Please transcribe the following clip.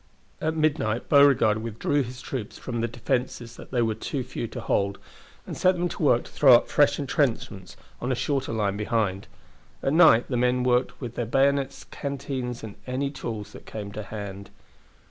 At midnight Beauregard withdrew his troops from the defenses that they were too few to hold, and set them to work to throw up fresh intrenchments on a shorter line behind. All night the men worked with their bayonets, canteens, and any tools that came to hand.